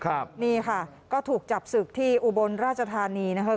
ครับนี่ค่ะก็ถูกจับศึกที่อุบลราชธานีนะคะ